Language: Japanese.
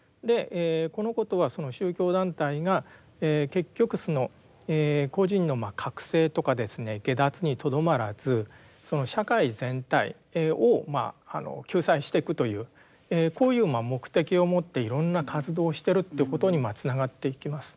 このことはその宗教団体が結局個人のまあ覚醒とかですね解脱にとどまらずその社会全体を救済してくというこういう目的を持っていろんな活動をしてるということにつながっていきます。